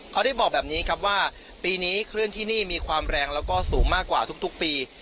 เขาได้บอกแบบนี้ครับว่าปีนี้คลื่นที่นี่มีความแรงแล้วก็สูงมากกว่าทุกปี